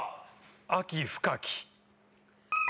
秋深き。